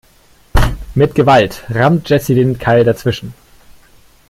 Mit Gewalt rammt Jessy den Keil dazwischen.